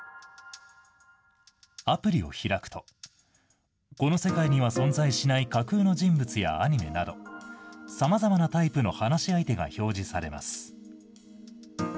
アプリを開くと、この世界には存在しない架空の人物やアニメなど、さまざまなタイプの話し相手が表示されます。